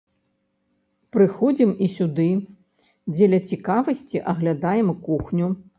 Прыходзім і сюды, дзеля цікавасці аглядаем кухню.